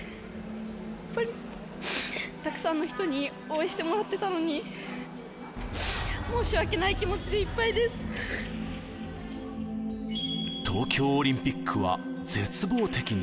やっぱり、たくさんの人に応援してもらってたのに、申し訳ない気持ちでいっ東京オリンピックは絶望的に。